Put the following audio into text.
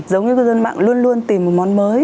giống như cư dân mạng luôn luôn tìm một món mới